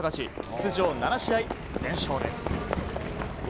出場７試合全勝です。